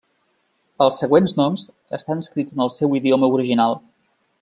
Els següents noms estan escrits en el seu idioma original.